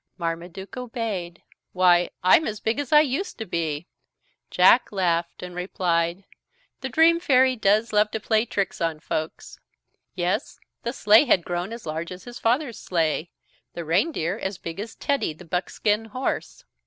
Marmaduke obeyed. "Why, I'm as big as I used to be!" Jack laughed and replied: "The dream fairy does love to play tricks on folks!" Yes, the sleigh had grown as large as his father's sleigh; the reindeer as big as Teddy, the buckskin horse.